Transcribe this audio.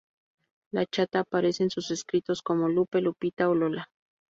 La Chata aparece en sus escritos como Lupe, Lupita o Lola.